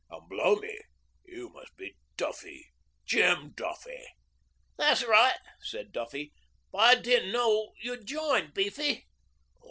'And blow me! you must be Duffy Jem Duffy.' 'That's right,' said Duffy. 'But I didn't know you'd joined, Beefy.'